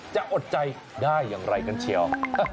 อดใจได้อย่างไรกันเชียว